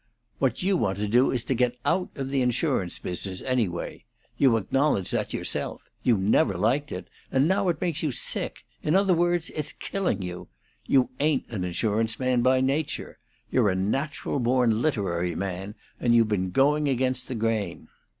"What you want to do is to get out of the insurance business, anyway. You acknowledge that yourself. You never liked it, and now it makes you sick; in other words, it's killing you. You ain't an insurance man by nature. You're a natural born literary man, and you've been going against the grain.